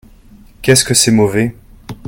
Qu'est-ce que c'est mauvais !